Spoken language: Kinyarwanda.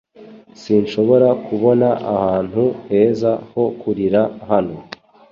Sinshobora kubona ahantu heza ho kurira hano.